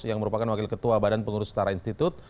yang merupakan wakil ketua badan pengurus setara institut